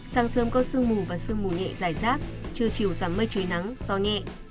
sáng sớm có sương mù và sương mù nhẹ dài rác trưa chiều giảm mây trời nắng gió nhẹ